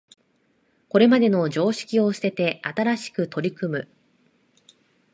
これまでの常識を捨てて新しく取り組む